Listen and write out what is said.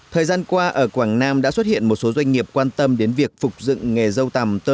thời gian qua ở quảng nam đã xuất hiện một số doanh nghiệp quan tâm đến việc phục dụng nghề dâu tằm cho huyện đigator